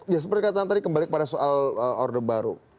ya seperti yang tadi kembali pada soal order baru